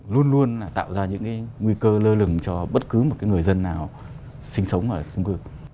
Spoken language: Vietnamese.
luôn luôn tạo ra những cái nguy cơ lơ lừng cho bất cứ một người dân nào sinh sống ở chung cư